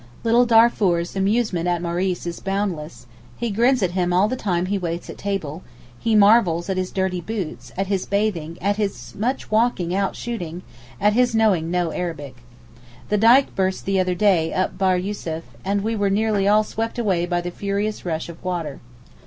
Little Darfour's amusement at Maurice is boundless; he grins at him all the time he waits at table, he marvels at his dirty boots, at his bathing, at his much walking out shooting, at his knowing no Arabic. The dyke burst the other day up at Bahr Yussuf, and we were nearly all swept away by the furious rush of water.